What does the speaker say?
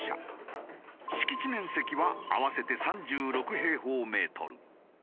敷地面積は合わせて３６平方メートル。